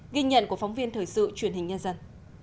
ghi nhận của phóng viên thời sự truyền hình nhân dân